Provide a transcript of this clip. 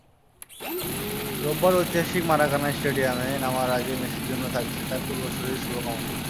রোববার ঐতিহাসিক মারাকানা স্টেডিয়ামে নামার আগে মেসির জন্য থাকছে তার পূর্বসূরির শুভকামনা।